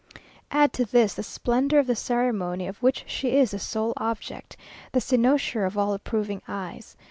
Add to this the splendour of the ceremony, of which she is the sole object; the cynosure of all approving eyes.